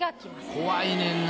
怖いねんな